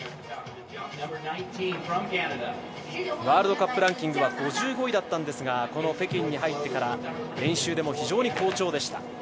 ワールドカップランキングは５５位だったんですがこの北京に入ってから練習でも非常に好調でした。